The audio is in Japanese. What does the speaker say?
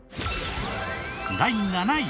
第７位。